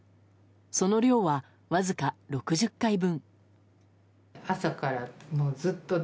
その量は、わずか６０回分。